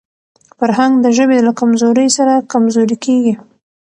فرهنګ د ژبي له کمزورۍ سره کمزورې کېږي.